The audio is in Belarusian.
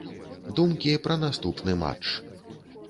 Думкі пра наступны матч.